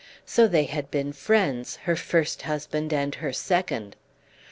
So they had been friends, her first husband and her second!